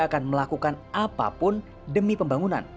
akan melakukan apapun demi pembangunan